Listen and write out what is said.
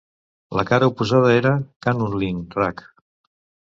La cara oposada era Canoodlin' Rag.